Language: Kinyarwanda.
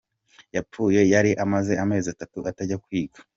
Yapfuye yari amaze amezi atatu atajya kwiga.